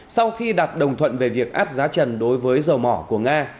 sau khi đặt đồng thuận về việc áp giá trần đối với dầu mỏ của nga